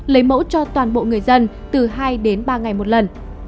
lấy mẫu cho toàn bộ người dân từ hai đến ba ngày một lần